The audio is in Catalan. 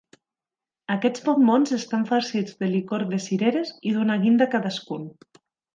Aquests bombons estan farcits de licor de cireres i d'una guinda cadascun.